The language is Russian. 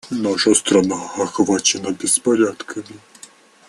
Наша страна охвачена беспорядками.